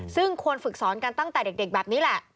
ซึ่งควรฝึกสอนกันตั้งแต่เด็กแบบนี้แหละ